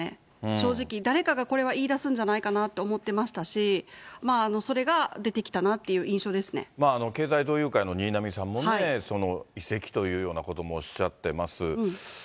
正直、誰かがこれは言い出すんじゃないかなと思ってましたし、それが出経済同友会の新浪さんもね、移籍というようなこともおっしゃってます。